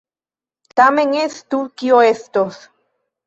Tamen estu, kio estos!